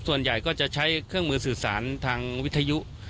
ส่วนใหญ่ก็จะใช้เครื่องมือสื่อสารทางวิทยุ